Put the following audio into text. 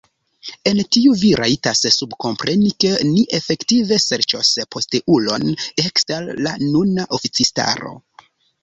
En tio vi rajtas subkompreni, ke ni efektive serĉos posteulon ekster la nuna oficistaro.